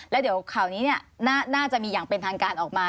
แล้วเดี๋ยวข่าวนี้น่าจะมีอย่างเป็นทางการออกมา